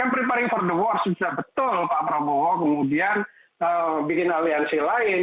kan preparing for the war sudah betul pak prabowo kemudian bikin aliansi lain